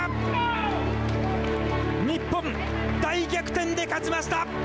日本、大逆転で勝ちました。